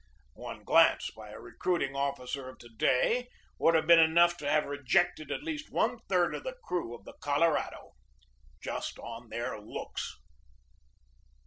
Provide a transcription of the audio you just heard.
One glance by a recruiting officer of to day would have been enough to have rejected at least one third of the crew of the Colorado, just on their looks.